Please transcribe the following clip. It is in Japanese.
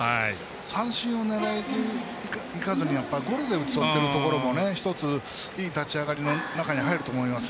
三振を狙いにいかずにゴロで打ち取っているところも１ついい立ち上がりに入ると思います。